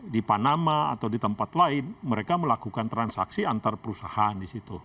di panama atau di tempat lain mereka melakukan transaksi antar perusahaan di situ